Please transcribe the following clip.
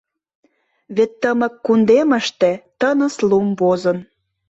Вет тымык кундемышке тыныс лум возын.